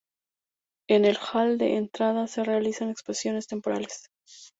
En el hall de entrada se realizan exposiciones temporales.